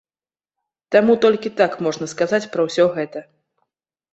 Таму толькі так можна сказаць пра ўсё гэта.